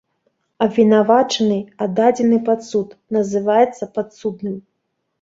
Абвінавачаны, аддадзены пад суд, называецца падсудным.